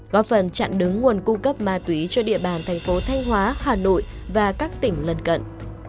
góp phần chặn đứng nguồn cung cấp ma túy cho địa bàn thành phố thanh hóa hà nội và các tỉnh lần cận